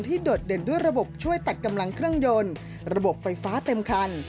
โดดเด่นด้วยระบบช่วยตัดกำลังเครื่องยนต์ระบบไฟฟ้าเต็มคัน